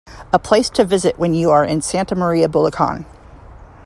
A place to visit when you are in Santa Maria, Bulacan.